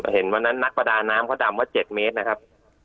เห็นวันนั้นนักประดาน้ำเขาดำว่า๗เมตรนะครับ